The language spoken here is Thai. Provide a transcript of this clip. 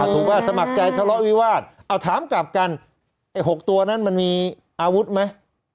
ถูกว่าสมัครใจทะเลาะวิวาสเอาถามกลับกันไอ้๖ตัวนั้นมันมีอาวุธไหม